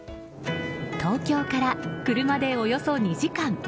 東京から車でおよそ２時間。